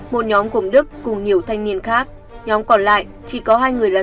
một nhóm gồm đức cùng nhiều thanh niên khác nhóm còn lại chỉ có hai người là